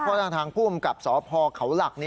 เพราะทางผู้อำกับสพเขาหลัก